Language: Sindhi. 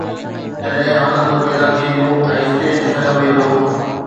جڏهن حالتون پيدا ٿينديون ۽ اسٽيج ٺهيو ويندو.